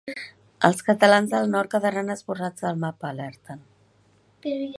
Els Catalans del nord quedaran esborrats del mapa, alerten.